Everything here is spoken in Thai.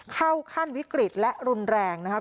เข้าขั้นวิกฤตและรุนแรงนะครับ